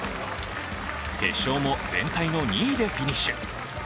決勝も全体の２位でフィニッシュ。